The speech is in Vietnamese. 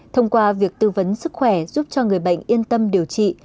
thông qua việc tư vấn sức khỏe giúp cho người bệnh yên tâm điều trị